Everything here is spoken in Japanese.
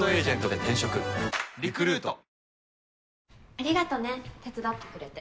ありがとね手伝ってくれて。